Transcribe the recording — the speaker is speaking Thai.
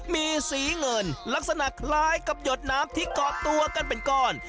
มีสีเงินลักษณะคล้ายกับหยดน้ำที่เกาะตัวกันเป็นก้อน